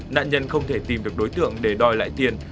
nạn nhân không thể tìm được đối tượng để đòi lại tiền